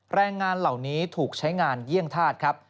แรงงานเหล่านี้ถูกใช้งานเยี่ยงธาตุครับ